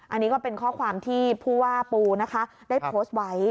อันนี้ก็เป็นข้อความที่ผู้ว่าปูนะคะได้โพสต์ไว้